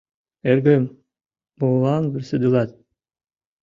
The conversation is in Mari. — Эргым, молан вурседылат?